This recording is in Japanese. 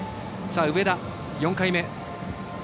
上田、４回目。